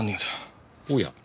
おや？